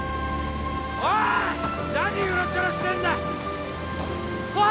おい何うろちょろしてんだ小春！